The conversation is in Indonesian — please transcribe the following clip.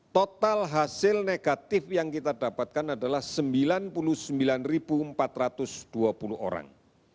total hasil negatif yang kita dapatkan adalah sembilan puluh sembilan empat ratus dua puluh orang